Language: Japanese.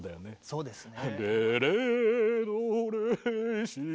そうですね。